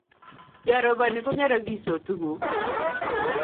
yaroboni ko nyerokisot tuguk